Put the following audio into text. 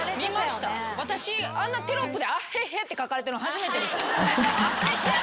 私あんなテロップで「あっへっへ」って書かれてんの初めてです。